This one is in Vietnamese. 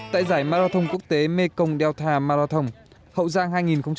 tại giải marathon quốc tế mekong delta marathon hậu giang hai nghìn hai mươi